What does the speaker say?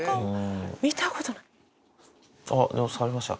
あっ、触りました。